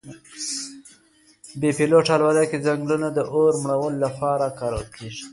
بې پیلوټه الوتکې د ځنګلونو د اور مړولو لپاره کارول کیږي.